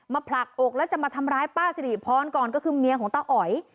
ผลักอกแล้วจะมาทำร้ายป้าสิริพรก่อนก็คือเมียของตาอ๋อย